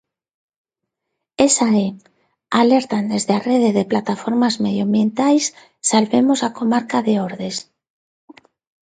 Esa é, alertan desde a Rede de Plataformas Medioambientais Salvemos a Comarca de Ordes.